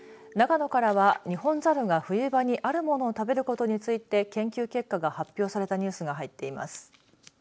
長野からはニホンザルが冬場にあるものを食べることについて研究結果が発表されたニュースが入っています。